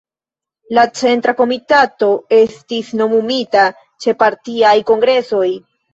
La Centra Komitato estis nomumita ĉe partiaj kongresoj.